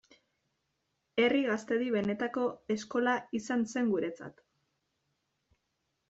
Herri Gaztedi benetako eskola izan zen guretzat.